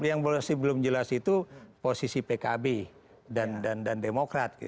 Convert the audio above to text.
yang masih belum jelas itu posisi pkb dan demokrat